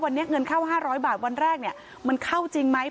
วันนี้เงินเข้า๕๐๐บาทวันแรกมันเข้าจริงไหม